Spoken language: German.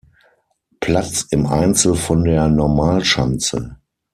Platz im Einzel von der Normalschanze.